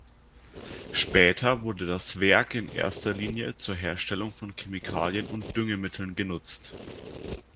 Später wurde das Werk in erster Linie zur Herstellung von Chemikalien und Düngemitteln genutzt.